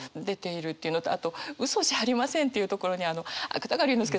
あと「嘘じゃありません」っていうところに芥川龍之介